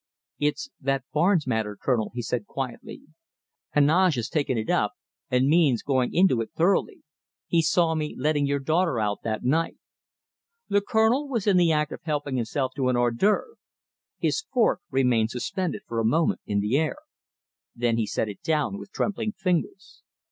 "It's that Barnes matter, Colonel," he said quietly. "Heneage has taken it up and means going into it thoroughly. He saw me letting out your daughter that night." The Colonel was in the act of helping himself to hors d'oeuvre. His fork remained suspended for a moment in the air. Then he set it down with trembling fingers.